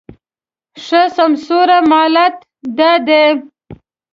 ښه سمسوره مالت دا دی